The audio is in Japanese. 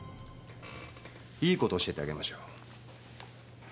いいことを教えてあげましょう。